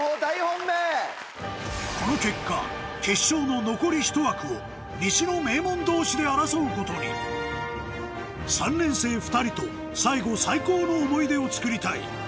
この結果決勝の残り１枠を西の名門同士で争うことに３年生２人と最後最高の思い出をつくりたい